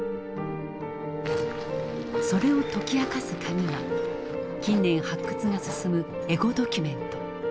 それを解き明かすカギが近年発掘が進むエゴドキュメント。